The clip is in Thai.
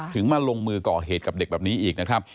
มาลงมือก่อเหตุกับเด็กแบบนี้อีกนะครับ